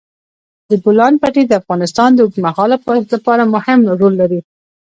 د بولان پټي د افغانستان د اوږدمهاله پایښت لپاره مهم رول لري.